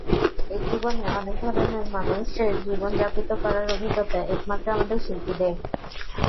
একজীবনে অনেক ধরনের মানুষের জীবন যাপিত করার অভিজ্ঞতা একমাত্র আমাদের, শিল্পীদের।